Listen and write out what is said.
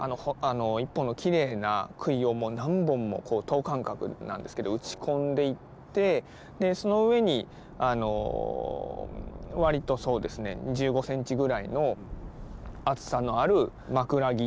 １本のきれいな杭をもう何本も等間隔なんですけど打ち込んでいってその上にわりとそうですね１５センチぐらいの厚さのある枕木。